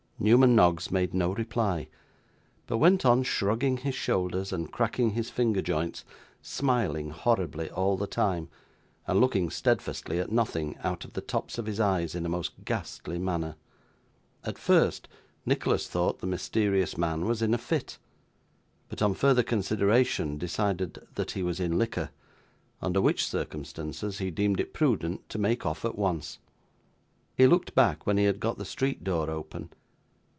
Newman Noggs made no reply, but went on shrugging his shoulders and cracking his finger joints; smiling horribly all the time, and looking steadfastly at nothing, out of the tops of his eyes, in a most ghastly manner. At first, Nicholas thought the mysterious man was in a fit, but, on further consideration, decided that he was in liquor, under which circumstances he deemed it prudent to make off at once. He looked back when he had got the street door open.